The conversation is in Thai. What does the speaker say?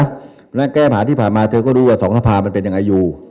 เพราะฉะนั้นแก้ปัญหาที่ผ่านมาเธอก็รู้ว่าสองสภามันเป็นยังไงอยู่